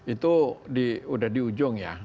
itu sudah di ujung ya